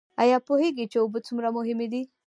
ایا پوهیږئ چې اوبه څومره مهمې دي؟